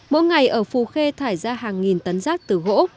mỗi ngày ở phù khê thải ra hàng nghìn tấn rác từ gỗ